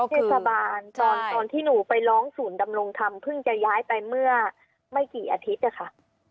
เทศบาลตอนที่หนูไปร้องศูนย์ดำรงธรรมเพิ่งจะย้ายไปเมื่อไม่กี่อาทิตย์อะค่ะ